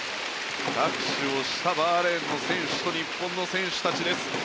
握手をしたバーレーンの選手と日本の選手たちです。